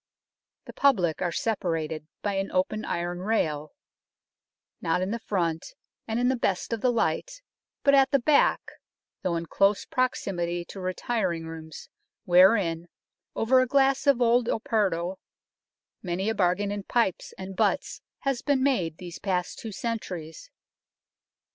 The public are separated by an open iron rail, not in the front and in the best of the light, but at the back, though in close proximity to retiring rooms, wherein, over a glass of old Oporto, many a bargain in pipes and butts has been made these past two centuries.